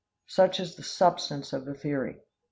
Such is the substance of the theory.